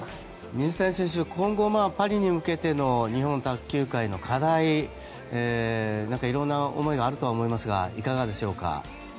水谷選手、今後パリに向けての日本卓球界の課題色んな思いがあると思いますがいかがでしょうか。